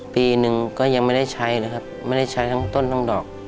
ปีหนึ่งก็ยังไม่ได้ใช้เลยครับไม่ได้ใช้ทั้งต้นทั้งดอก